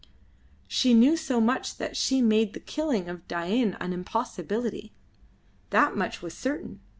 She knew so much that she made the killing of Dain an impossibility. That much was certain.